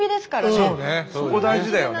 そこ大事だよね。